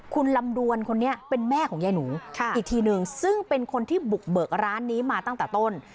คุณลำดวนคนนี้เป็นแม่ของยายหนูอีกทีนึงซึ่งเป็นคนที่บุกเบิกร้านนี้มาตั้งแต่ต้น